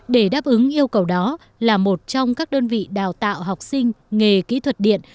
để đáp ứng yêu cầu đó là một trong các đơn vị đào tạo học sinh nghề kỹ thuật điện